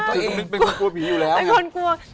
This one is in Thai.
กลัวยายก็เองเป็นคนกลัวผีอยู่แล้ว